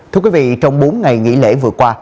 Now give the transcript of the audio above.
thưa quý vị trong bốn ngày nghỉ lễ vừa qua